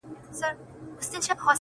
د چا دغه د چا هغه ورته ستايي؛